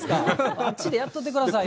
あっちでやっといてくださいよ。